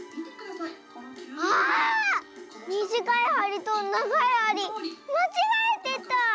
ああっ⁉みじかいはりとながいはりまちがえてた！